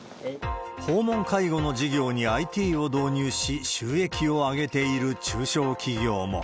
訪問介護の事業にＩＴを導入し、収益を上げている中小企業も。